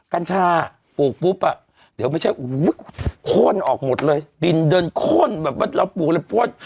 กัญชาปลูกปุ๊บอ่ะเดี๋ยวไม่ใช่โค้นออกหมดเลยดินเดินโค้นแบบว่าเราปลูกเราป้วน